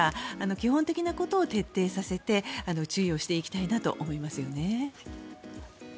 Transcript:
基本的なことを徹底させて注意をしていきたいと思います。